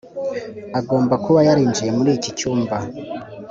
agomba kuba yarinjiye muri iki cyumba.